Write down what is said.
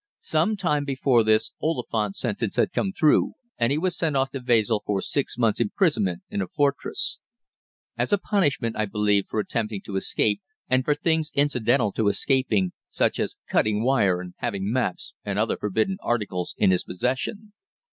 Some time before this Oliphant's sentence had come through, and he was sent off to Wesel for six months' imprisonment in a fortress; as a punishment, I believe, for attempting to escape, and for things incidental to escaping, such as cutting wire and having maps and other forbidden articles in his possession.